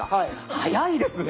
早いですね。